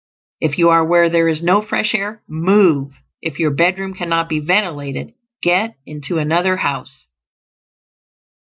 If you are where there is no fresh air, move. If your bedroom cannot be ventilated, get into another house.